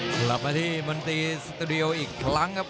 กลับมาที่มนตรีสตูดิโออีกครั้งครับ